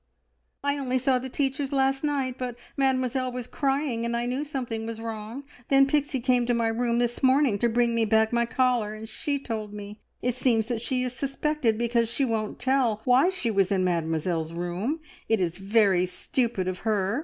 "I only saw the teachers last night, but Mademoiselle was crying, and I knew something was wrong. Then Pixie came to my room this morning to bring me back my collar, and she told me. It seems that she is suspected because she won't tell why she was in Mademoiselle's room. It's very stupid of her!